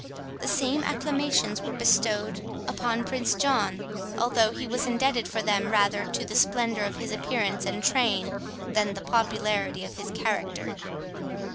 The same acclamations were bestowed upon Prince John, although he was indebted for them rather to the splendour of his appearance and train, than to the popularity of his character.